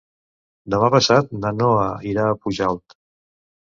Demà passat na Noa irà a Pujalt.